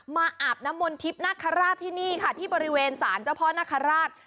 มาอาบนมลทิพย์นักฆราชที่นี่ค่ะที่บริเวณสารเจ้าพ่อนักฆราช